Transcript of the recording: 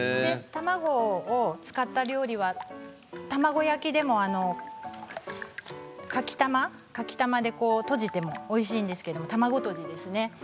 卵を使った料理は、卵焼きでもかきたまでとじてもおいしいんですけど卵とじですね。